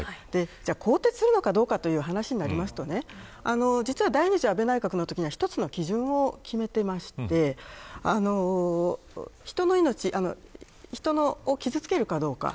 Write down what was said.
更迭するのかどうかという話になりますと実は、第２次安倍内閣のときに１つの基準を決めていまして人の命人を傷つけるかどうか。